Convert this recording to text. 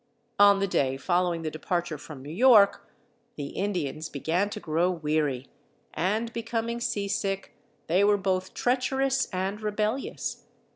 On the day following the departure from New York the Indians began to grow weary, and becoming seasick they were both treacherous and rebellious.